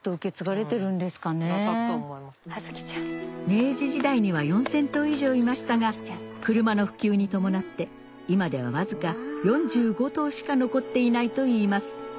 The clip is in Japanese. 明治時代には４０００頭以上いましたが車の普及に伴って今ではわずか４５頭しか残っていないといいます